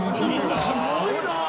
すごいなぁ！